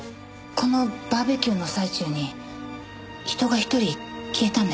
このバーベキューの最中に人が一人消えたんです。